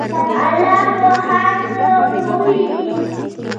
الله په هر څه پوهیږي.